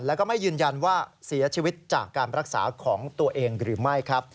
แล้วก็ไม่ยืนยันว่าเสียชีวิตจากการรักษาของตัวเองหรือไม่ครับ